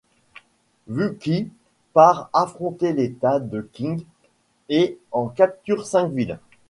Wu Qi part affronter l'État de Qin et en capture cinq villes.